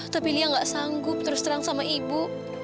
tapi lia gak sanggup terus terang sama ibu